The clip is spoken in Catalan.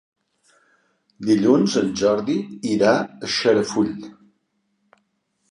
Dilluns en Jordi irà a Xarafull.